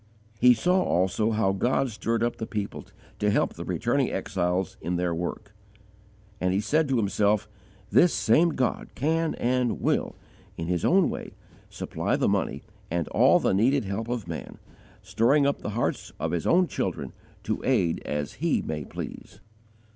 He saw also how God stirred up the people to help the returning exiles in their work; and he said to himself, this same God can and will, in His own way, supply the money and all the needed help of man, stirring up the hearts of His own children to aid as He may please.